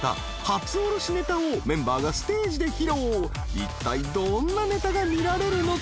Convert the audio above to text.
［いったいどんなネタが見られるのか？］